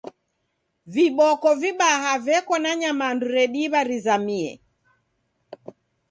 Viboko vibaha veko na nyamandu rediw'a rizamie.